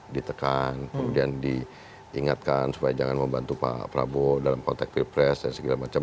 ditekan kemudian diingatkan supaya jangan membantu pak prabowo dalam konteks pilpres dan segala macam